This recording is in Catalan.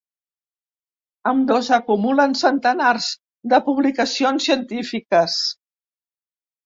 Ambdós acumulen centenars de publicacions científiques.